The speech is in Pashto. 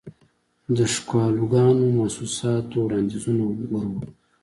دښکالوګانو، محسوساتووړاندیزونه وروړو